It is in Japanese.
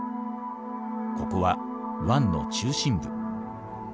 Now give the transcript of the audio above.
ここは湾の中心部。